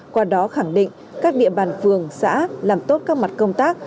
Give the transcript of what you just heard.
qua đó khẳng định các địa bàn phường xã làm tốt các mặt công tác